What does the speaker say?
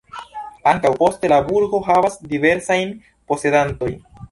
Ankaŭ poste la burgo havas diversajn posedantoj.